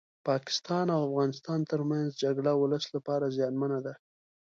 پاکستان او افغانستان ترمنځ جګړه ولس لپاره زيانمنه ده